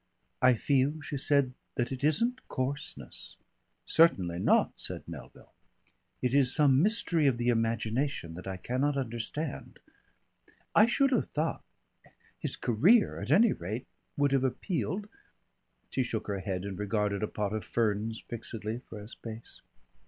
"I feel," she said, "that it isn't coarseness." "Certainly not," said Melville. "It is some mystery of the imagination that I cannot understand. I should have thought his career at any rate would have appealed...." She shook her head and regarded a pot of ferns fixedly for a space.